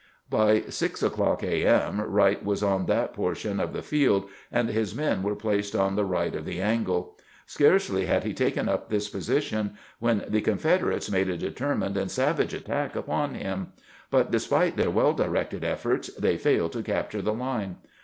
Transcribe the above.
By six o'clock a, m. Wright was on that portion of the field, and his men were placed on the right of the " angle." Scarcely had he taken up this position when the Con federates made a determined and savage attack upon him ; but despite their well directed efforts they failed to recapture the line.